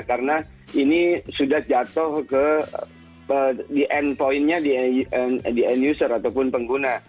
karena ini sudah jatuh ke end point nya di end user ataupun pengguna